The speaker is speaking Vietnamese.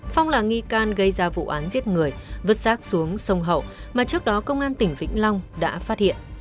phong là nghi can gây ra vụ án giết người vứt rác xuống sông hậu mà trước đó công an tỉnh vĩnh long đã phát hiện